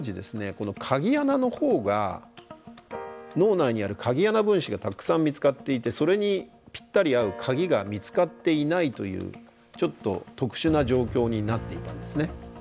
この鍵穴のほうが脳内にある鍵穴分子がたくさん見つかっていてそれにぴったり合う鍵が見つかっていないというちょっと特殊な状況になっていたんですね。